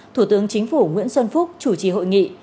thủ tướng chính phủ nguyễn xuân phúc chủ trì hội nghị